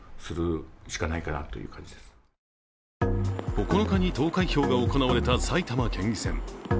９日に投開票が行われた埼玉県議選。